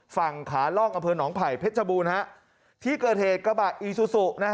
ฝั่งขาล่องอำเภอหนองไผ่เพชรบูรณที่เกิดเหตุกระบะอีซูซูนะฮะ